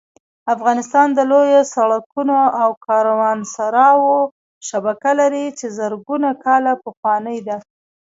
افغانستان د لویو سړکونو او کاروانسراوو شبکه لري چې زرګونه کاله پخوانۍ ده